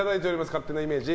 勝手なイメージ。